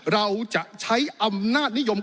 เราจะใช้อำนาจนิยม